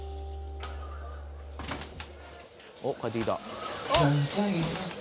おっ帰ってきた。